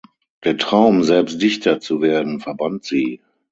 Der Traum, selbst Dichter zu werden, verband sie.